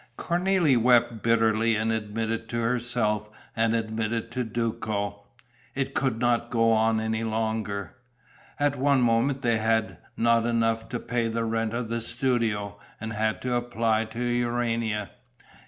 Cornélie wept bitterly and admitted to herself and admitted to Duco: it could not go on any longer. At one moment they had not enough to pay the rent of the studio and had to apply to Urania.